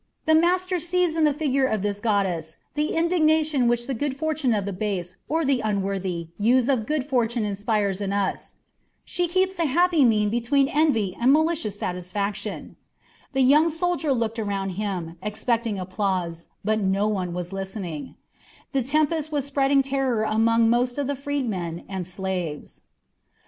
"The master sees in the figure of this goddess the indignation which the good fortune of the base or the unworthy use of good fortune inspires in us. She keeps the happy mean between envy and malicious satisfaction." The young soldier looked around him, expecting applause, but no one was listening; the tempest was spreading terror among most of the freedmen and slaves.